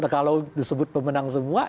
kalau disebut pemenang semua